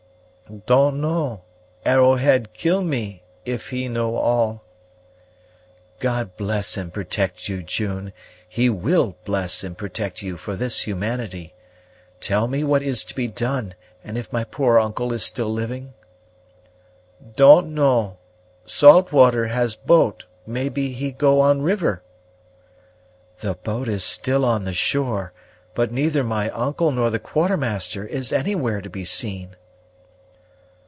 "Don't know; Arrowhead kill me, if he know all." "God bless and protect you, June! He will bless and protect you for this humanity. Tell me what is to be done, and if my poor uncle is still living?" "Don't know. Saltwater has boat; maybe he go on river." "The boat is still on the shore, but neither my uncle nor the Quartermaster is anywhere to be seen."